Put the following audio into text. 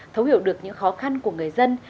thấu hiểu được những khó khăn của người dân